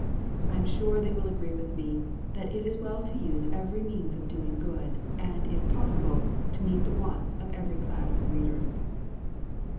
I am sure they will agree with me, that it is well to use every means of doing good, and, if possible, to meet the wants of every class of readers.